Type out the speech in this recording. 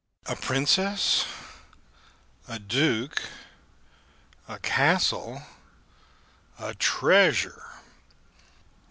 "A Princess a Duke a castle a treasure!